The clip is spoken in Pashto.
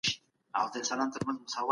کله باید د سبا ورځي لپاره پلان جوړ کړو؟